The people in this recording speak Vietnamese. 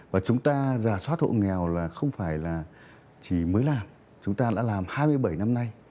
và chúng ta giả soát hộ nghèo là không phải là chỉ mới làm chúng ta đã làm hai mươi bảy năm nay